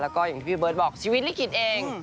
แล้วก็อย่างที่พี่เบิร์ตบอกชีวิตลิขิตเอง